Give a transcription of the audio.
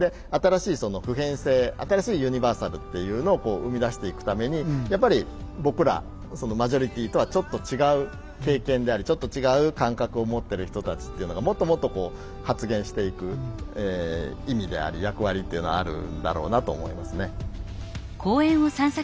新しい普遍性新しいユニバーサルっていうのを生み出していくためにやっぱり僕らマジョリティーとはちょっと違う経験でありちょっと違う感覚を持ってる人たちっていうのがもっともっとこう発言していく意味であり役割っていうのはあるんだろうなと思いますね。